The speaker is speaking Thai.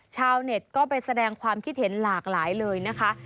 ชาวเน็ตก็ไปแสดงความคิดเห็นหลากหลายเลยนะคะ